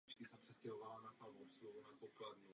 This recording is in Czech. Potom to prodiskutujeme v Radě a dojdeme k závěrům.